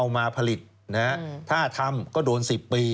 มาประกอบ